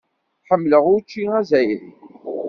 Ḥemmleɣ učči azzayri.